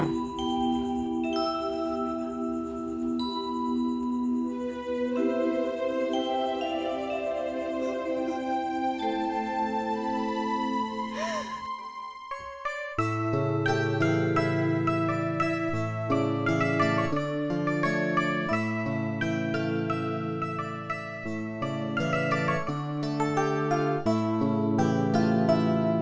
gak ada yang peduli